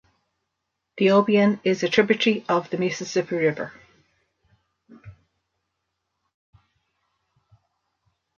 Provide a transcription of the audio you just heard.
The Obion is a tributary of the Mississippi River.